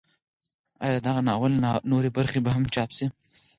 ایا د دغه ناول نورې برخې به هم چاپ شي؟